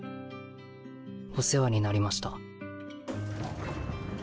お世話になりました。